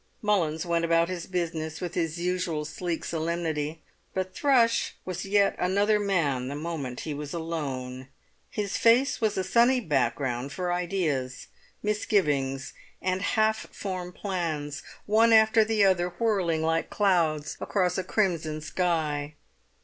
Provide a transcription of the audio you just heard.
Mullins went about his business with his usual sleek solemnity. But Thrush was yet another man the moment he was alone. His face was a sunny background for ideas, misgivings, and half formed plans, one after the other, whirling like clouds across a crimson sky.